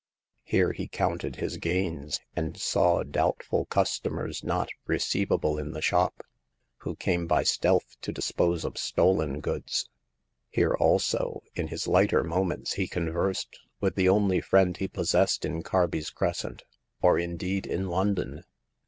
Here he counted his gains, and saw doubt ful customers not receivable in the shop, who came by stealth to dispose of stolen goods. Here, also, in his lighter moments, he conversed with the only friend he possessed in Carby's Crescent — or, indeed, in London.